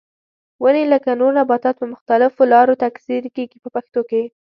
ونې لکه نور نباتات په مختلفو لارو تکثیر کېږي په پښتو کې.